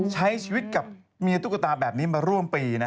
ใช้ชีวิตกับเมียตุ๊กตาแบบนี้มาร่วมปี